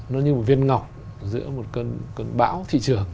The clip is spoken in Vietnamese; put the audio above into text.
nó như một viên ngọc giữa một cơn bão thị trường